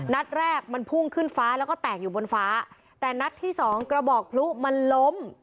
นัดแรกมันพุ่งขึ้นฟ้าแล้วก็แตกอยู่บนฟ้าแต่นัดที่สองกระบอกพลุมันล้ม